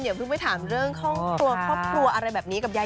เดี๋ยวพลุกไปถามเรื่องข้อควบคู่อะไรแบบนี้